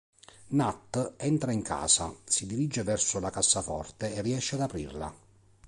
Nat entra in casa, si dirige verso la cassaforte e riesce ad aprirla.